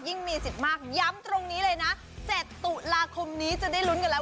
มีสิทธิ์มากย้ำตรงนี้เลยนะ๗ตุลาคมนี้จะได้ลุ้นกันแล้ว